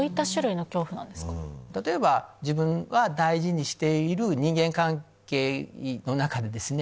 例えば自分が大事にしている人間関係の中でですね